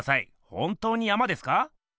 本当に山ですか？